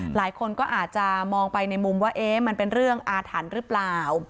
หลายคนก็อาจจะมองไปในมุมว่ามันเป็นเรื่องอาถรรพ์หรือเปล่า